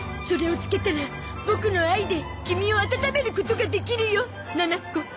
それをつけたらボクの愛でキミをあたためることができるよなな子。